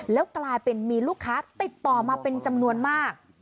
แล้วกลายเป็นมีลูกค้าติดต่อมาเป็นจำนวนมาก